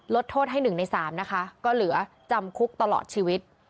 ลดโทษให้๑ใน๓นะคะก็เหลือจำคุกตลอดชีวิต